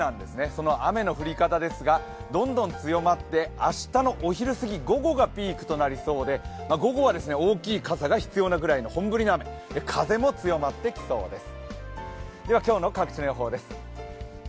その雨の降り方ですがどんどん強まって明日のお昼すぎ、午後がピークとなって午後は大きい傘が必要なくらいの本降りの雨、風も強まってきそうです。